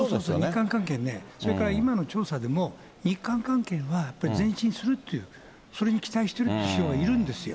日韓関係ね、それから今の調査でも日韓関係はやっぱり前進するっていう、それに期待してるという人がいるんですよ。